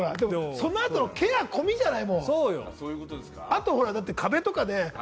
そのケア込みじゃない？